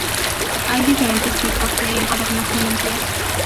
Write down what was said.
Hay diferentes tipos de encuadernación en piel.